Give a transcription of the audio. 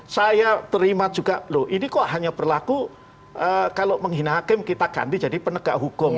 saya terima juga loh ini kok hanya berlaku kalau menghina hakim kita ganti jadi penegak hukum